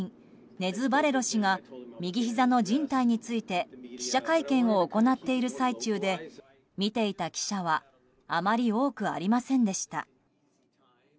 ネズ・バレロ氏が右ひざのじん帯について記者会見を行っている最中で見ていた記者はあまり多くありませんでした。